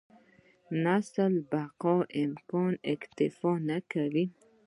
نسل بقا امکان اکتفا نه کوي.